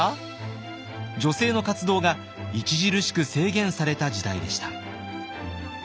女性の活動が著しく制限された時代でした。